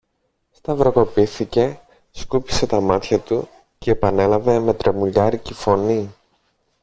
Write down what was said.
Σταυροκοπήθηκε, σκούπισε τα μάτια του κι επανέλαβε με τρεμουλιάρικη φωνή